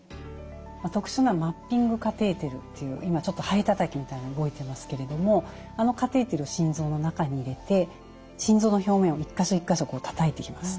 特殊なマッピングカテーテルという今ハエたたきみたいなの動いてますけれどもあのカテーテルを心臓の中に入れて心臓の表面を一か所一か所たたいていきます。